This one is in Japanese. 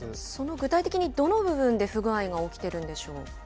具体的にどのような不具合が起きてるんでしょう？